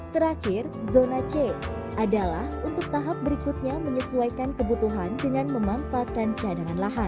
terakhir zona c adalah untuk tahap berikutnya menyesuaikan kebutuhan dengan memampung